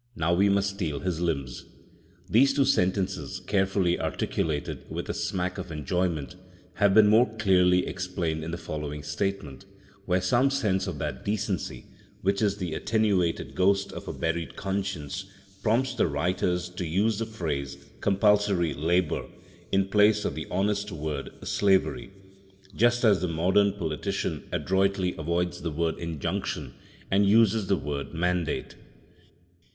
Now we must steal his limbs." These two sentences, carefully articulated, with a smack of enjoyment, have been more clearly explained in the following statement, where some sense of that decency which is the attenuated ghost of a buried conscience, prompts the writers to use the phrase "compulsory labour" in place of the honest word "slavery"; just as the modern politician adroitly avoids the word "injunction" and uses the word "mandate."